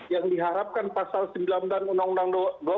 yang diharapkan pasal sembilan dan undang undang dua belas